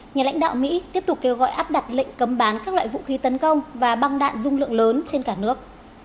nhà lãnh đạo mỹ tiếp tục kêu gọi áp đặt lệnh cấm bán các loại vũ khí tấn công và băng đạn dung lượng lớn trên cả nước